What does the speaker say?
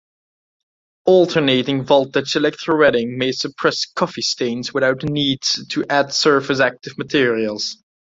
Alternating voltage electrowetting may suppress coffee stains without the need to add surface-active materials.